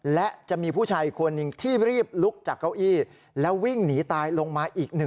และจะมีผู้ชายอีกคนหนึ่งที่รีบลุกจากเก้าอี้แล้ววิ่งหนีตายลงมาอีกหนึ่ง